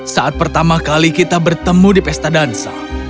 saat pertama kali kita bertemu di pesta dansa